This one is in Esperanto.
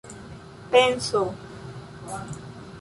penso